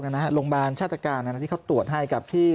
โรงพยาบาลชาติการที่เขาตรวจให้กับที่